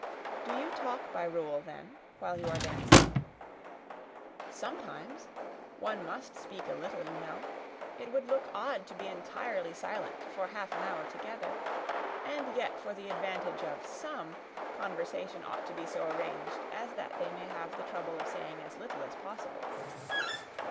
"Do you talk by rule, then, while you are dancing?" "Sometimes. One must speak a little, you know. It would look odd to be entirely silent for half an hour together; and yet, for the advantage of some, conversation ought to be so arranged as that they may have the trouble of saying as little as possible."